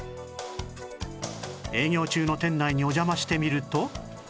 営業中の店内にお邪魔してみると